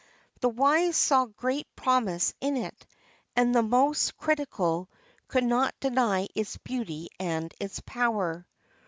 The wise saw great promise in it, and the most critical could not deny its beauty and its power.